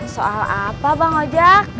soal apa bang ojak